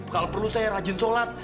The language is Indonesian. kalau perlu saya rajin sholat